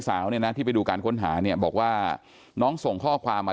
สาวเนี่ยนะที่ไปดูการค้นหาเนี่ยบอกว่าน้องส่งข้อความมา